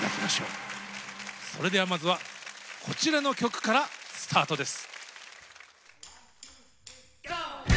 それではまずはこちらの曲からスタートです。